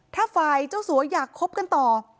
ถ้าฝ่ายเจ้าสัวอยากคบกันต่อ